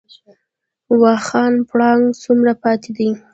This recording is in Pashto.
واخان پړانګ څومره پاتې دي؟